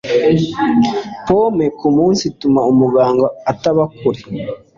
Pome kumunsi ituma umuganga ataba kure.